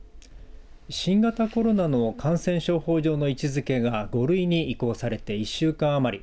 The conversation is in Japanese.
新型コロナの感染症法上の位置づけが５類に移行されて１週間余り。